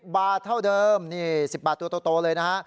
บาทเท่าเดิมนี่๑๐บาทตัวโตเลยนะฮะ